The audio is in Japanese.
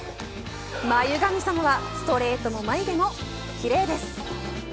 眉神様はストレートも眉毛も奇麗です。